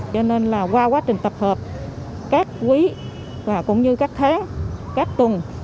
cho nên qua quá trình tập hợp các quý cũng như các tháng các tuần